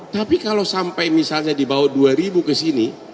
tapi kalau sampai misalnya di bawah dua ribu ke sini